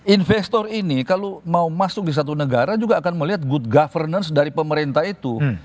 investor ini kalau mau masuk di satu negara juga akan melihat good governance dari pemerintah itu